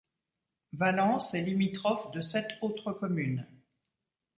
Valence est limitrophe de sept autres communes.